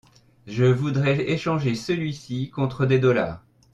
Je voudrais échanger celui-ci contre des dollars.